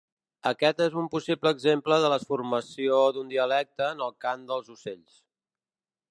Aquest és un possible exemple de la formació d'un dialecte en el cant dels ocells.